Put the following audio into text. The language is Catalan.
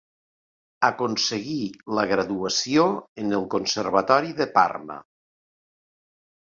Aconseguí la graduació en el Conservatori de Parma.